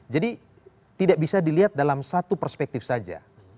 jadi tidak bisa dilihat dalam satu perspektif saja